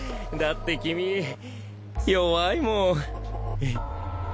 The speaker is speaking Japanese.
だって君弱いもん。